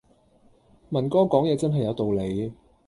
文哥講嘢真係有道理